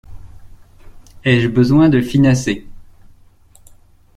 Ai-je besoin de finasser?